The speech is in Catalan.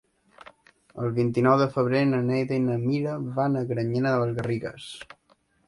El vint-i-nou de febrer na Neida i na Mira van a Granyena de les Garrigues.